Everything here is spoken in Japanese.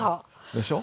でしょ。